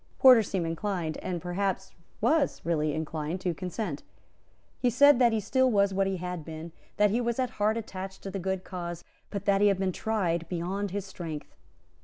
Porter seemed inclined, and perhaps was really inclined, to consent. He said that he still was what he had been, that he was at heart attached to the good cause, but that he had been tried beyond his strength.